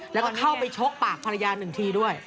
แล้วก็เข้าไปชกปากภรรยาหนึ่งทีด้วย